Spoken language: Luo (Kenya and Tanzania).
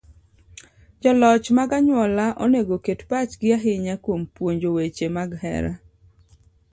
Joloch mag anyuola onego oket pachgi ahinya kuom puonjo weche mag hera.